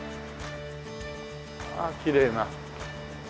ああきれいな。